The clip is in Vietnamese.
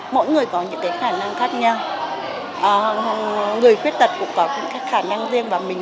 mỗi người có những cái khả năng khác nhau người khuyết tật cũng có những cái khả năng riêng và mình